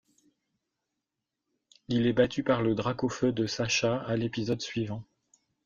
Il est battu par le Dracaufeu de Sacha, à l'épisode suivant.